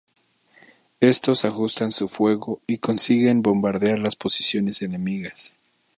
Estos ajustan su fuego y consiguen bombardear las posiciones enemigas.